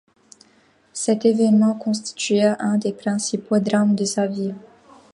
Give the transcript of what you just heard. Cet événement constitua un des principaux drames de sa vie.